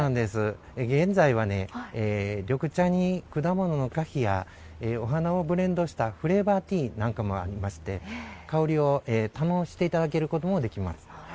現在は緑茶に果物の果皮やお花をブレンドしたフレーバーティーなんかもありまして香りを堪能していただけることもできます。